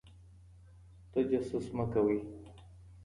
تجسس مه کوئ.